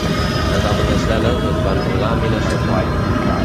Les altres escenes es van rodar a Minnesota.